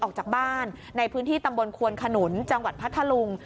ออกจากบ้านในพื้นที่ตำบลควนขนุนจังหวัดพัทธลุง